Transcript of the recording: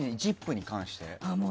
「ＺＩＰ！」に関して？